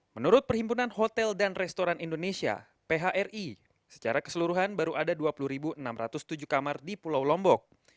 menurut perhimpunan hotel dan restoran indonesia phri secara keseluruhan baru ada dua puluh enam ratus tujuh kamar di pulau lombok